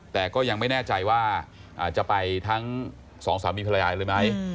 แต่ก็ยังไม่แน่ใจว่าจะไปทั้งสองสามีภรรยาเลยไหม